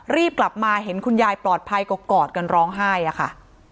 รีบกลับมาเห็นคุณยายปลอดภัยก็กอดกันร้องไห้อะค่ะ